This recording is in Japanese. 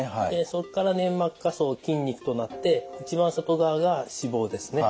そこから粘膜下層筋肉となって一番外側が脂肪ですね。